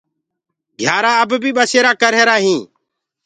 گھيآرآ اب بي ٻسيرآ ڪري هينٚ